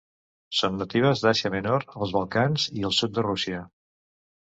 Són natives d'Àsia Menor, els Balcans i el sud de Rússia.